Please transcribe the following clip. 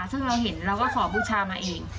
ซึ่งเราเห็นเราก็ขอบูชามาเอง